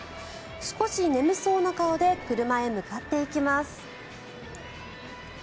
少し眠そうな顔で車へ向かっていきます。